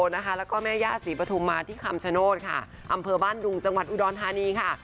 แล้วก็แม่ย่าศรีปฐุมมาที่คำชโนธค่ะอำเภอบ้านดุงจังหวัดอุดรธานีค่ะ